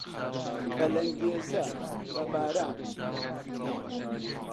بە لەنگێزە، بە باران